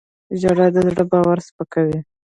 • ژړا د زړه بار سپکوي.